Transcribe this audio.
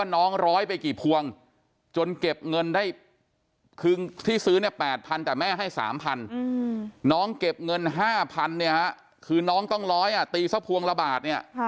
น้องเก็บเงิน๕๐๐๐เนี่ยค่ะคือน้องต้องร้อยอะตีซะพวงละบาทเนี่ย